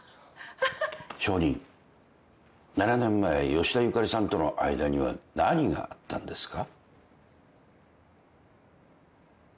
証人７年前吉田ゆかりさんとの間には何があったんですか？